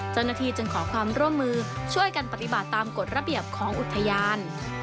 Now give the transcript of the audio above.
เจ้าหน้าที่จึงขอความร่วมมือช่วยกันปฏิบัติตามกฎระเบียบของอุทยาน